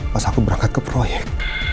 pas aku berangkat ke proyek